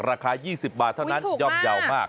ราคา๒๐บาทเท่านั้นย่อมเยาว์มาก